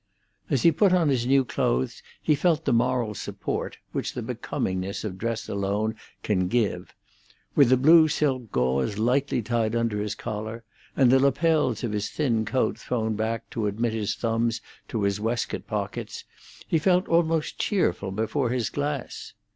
As he put on his new clothes he felt the moral support which the becomingness of dress alone can give. With the blue silk gauze lightly tied under his collar, and the lapels of his thin coat thrown back to admit his thumbs to his waistcoat pockets, he felt almost cheerful before his glass.